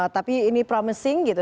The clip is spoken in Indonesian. tapi ini promising gitu